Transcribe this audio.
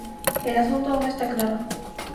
El asunto aún no está claro.